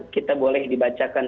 kita boleh dibacakan